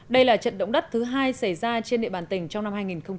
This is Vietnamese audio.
đây là trận động đất thứ hai xảy ra trên địa bàn tỉnh trong năm hai nghìn một mươi tám